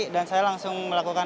dan saya langsung melakukan